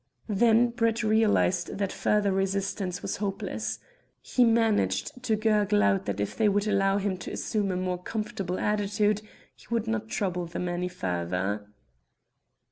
Then Brett realized that further resistance was hopeless. He managed to gurgle out that if they would allow him to assume a more comfortable attitude he would not trouble them any further.